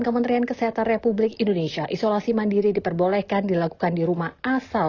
kementerian kesehatan republik indonesia isolasi mandiri diperbolehkan dilakukan di rumah asal